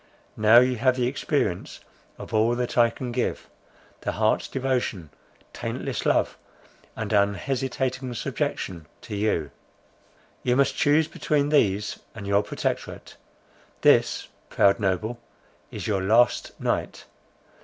Now you have the experience of all that I can give, the heart's devotion, taintless love, and unhesitating subjection to you. You must choose between these and your protectorate. This, proud noble, is your last night!